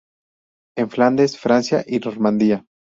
En Flandes, Francia y Normandía.